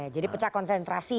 jadi pecah konsentrasi